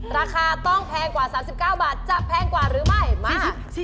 ราคาต้องแพงกว่า๓๙บาทจะแพงกว่าหรือไม่มา